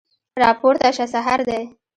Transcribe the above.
راپورته شه سحر دی